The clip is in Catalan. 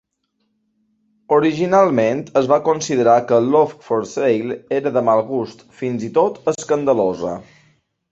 Originalment, es va considerar que "Love for Sale" era de mal gust, fins i tot escandalosa.